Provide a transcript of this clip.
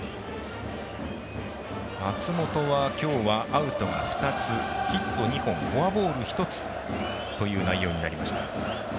松本は今日はアウトが２つヒット２本フォアボール１つという内容になりました。